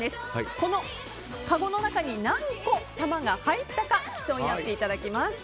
このかごの中に何個玉が入ったか競い合っていただきます。